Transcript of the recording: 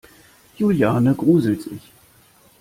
Juliane gruselt sich.